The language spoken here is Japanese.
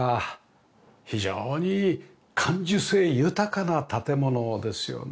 非常に感受性豊かな建物ですよね。